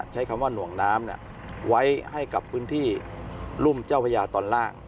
ใช้คำว่าหน่วงน้ำไว้ให้กับพื้นที่รุ่มเจ้าพญาตอนล่าง